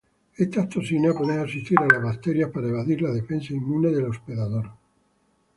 Estas toxinas pueden asistir a las bacterias para evadir la defensa inmune del hospedador.